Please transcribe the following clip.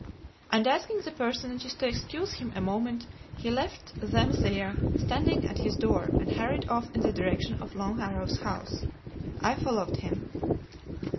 And asking the personages to excuse him a moment, he left them there, standing at his door, and hurried off in the direction of Long Arrow's house. I followed him.